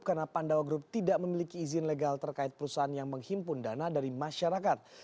karena pandawa group tidak memiliki izin legal terkait perusahaan yang menghimpun dana dari masyarakat